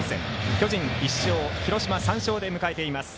巨人１勝、広島３勝で迎えています。